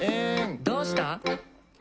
「どうした？」